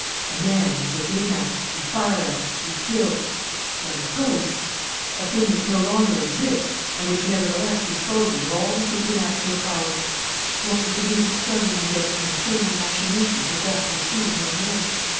A man you take aim at, you fire at, you kill. But a ghost! A thing which no longer exists and which nevertheless disposes of all the supernatural powers! What was the use of struggling against the infernal machinations of that which is no more?